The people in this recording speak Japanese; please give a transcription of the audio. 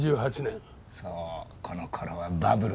そうこの頃はバブルだからね。